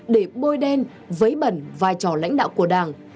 để bôi đen vấy bẩn vai trò lãnh đạo của đảng